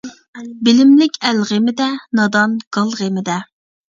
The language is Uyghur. بىلىملىك ئەل غېمىدە، نادان گال غېمىدە.